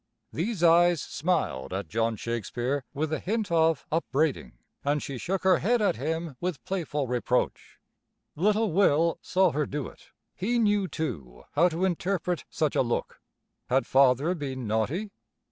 These eyes smiled at John Shakespeare with a hint of upbraiding, and she shook her head at him with playful reproach. Little Will saw her do it. He knew too how to interpret such a look. Had Father been naughty?